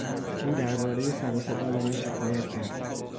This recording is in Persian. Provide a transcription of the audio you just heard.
او دربارهی سر و صدا به من شکایت کرد.